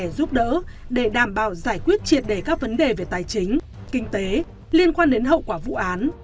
giúp đỡ để đảm bảo giải quyết triệt đề các vấn đề về tài chính kinh tế liên quan đến hậu quả vụ án